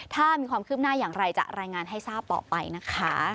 ถ้ามีความคืบหน้าอย่างไรจะรายงานให้ทราบต่อไปนะคะ